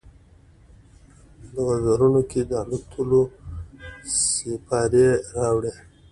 وزرونو کې، د الوتلو سیپارې راوړي